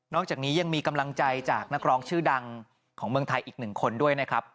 อกจากนี้ยังมีกำลังใจจากนักร้องชื่อดังของเมืองไทยอีกหนึ่งคนด้วยนะครับ